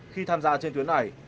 khi tham gia trên tuyến này